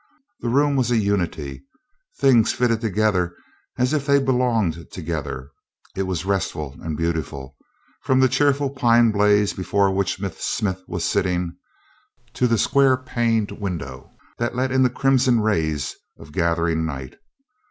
The room was a unity; things fitted together as if they belonged together. It was restful and beautiful, from the cheerful pine blaze before which Miss Smith was sitting, to the square paned window that let in the crimson rays of gathering night.